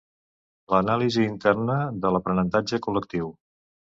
L'anàlisi interna de l'aprenentatge col·lectiu.